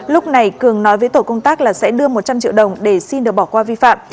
lúc này cường nói với tổ công tác là sẽ đưa một trăm linh triệu đồng để xin được bỏ qua vi phạm